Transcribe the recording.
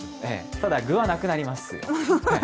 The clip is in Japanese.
ただ、具はなくなります。